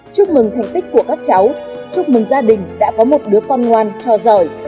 chúc mừng thành tích của các cháu chúc mừng gia đình đã có một đứa con ngoan trò giỏi